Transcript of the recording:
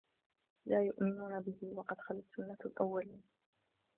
لا يؤمنون به وقد خلت سنة الأولين